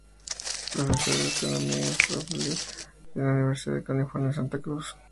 Es profesor de astronomía y astrofísica en la Universidad de California en Santa Cruz.